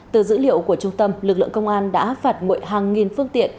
từ dữ liệu của trung tâm lực lượng công an đã phạt nguội hàng nghìn phương tiện